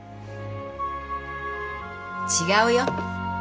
違うよ。